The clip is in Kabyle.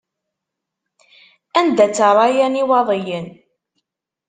Anda-tt rraya n Iwaḍiyen?